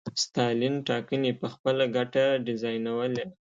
ستالین ټاکنې په خپله ګټه ډیزاینولې.